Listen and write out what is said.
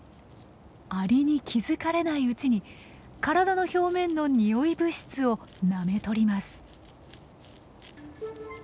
アリに気付かれないうちに体の表面の匂い物質をなめとります。